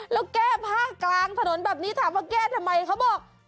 แล้วแก้ผ้ากลางถนนแบบนี้แก้ทำไมเขาบอกว่า